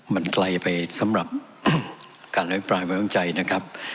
มันไกลไปสำหรับการให้ปลายบังใจนะครับ